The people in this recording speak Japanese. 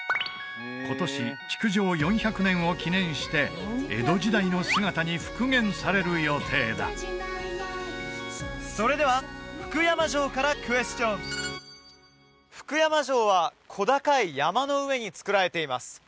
今年築城４００年を記念して江戸時代の姿に復元される予定だそれでは福山城からクエスチョン福山城は小高い山の上に造られています